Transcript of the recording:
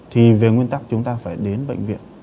thì về nguyên tắc chúng ta phải đến bệnh viện